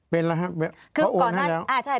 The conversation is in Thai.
เป็นละครับเขาโอนให้แล้ว